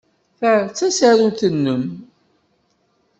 Ta d tasarut-nnem.